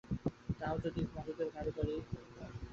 আর তাও যদি না হয় বন্ধুদের কারো বাড়ি গিয়া কুমুদ আড্ডা বসাক।